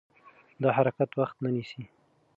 دا حرکت وخت نه نیسي.